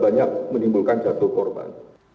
banyak menimbulkan jatuh korban